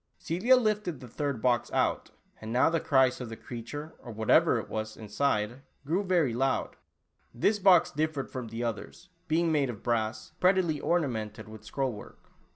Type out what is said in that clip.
Celia lifted the third box out, and now the cries of the creature, or whatever it was, inside, grew very loud. This box differed from the others, be ing made of brass, prettily ornamented with scroll work.